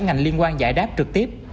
ngành liên quan giải đáp trực tiếp